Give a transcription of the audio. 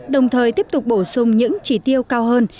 đồng thời tiếp tục bổ sung những chỉ tiêu cao hơn